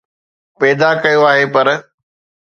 پيدا ڪيو آهي پر